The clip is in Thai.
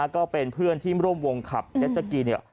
ก็เป็นเพื่อนที่ร่วมวงคับเจสตะกี้